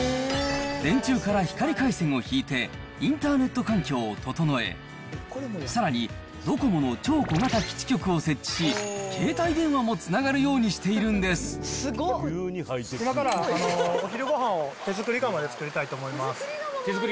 電柱から光回線を引いて、インターネット環境を整え、さらに、ドコモの超小型基地局を設置し、携帯電話もつながるようにしてい今からお昼ごはんを、手作り窯？